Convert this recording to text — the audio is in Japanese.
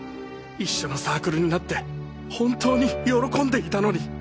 一緒のサークルになって本当に喜んでいたのに。